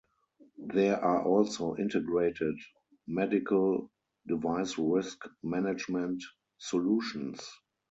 There are also integrated medical device risk management solutions.